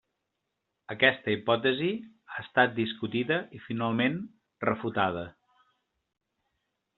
Aquesta hipòtesi ha estat discutida i finalment refutada.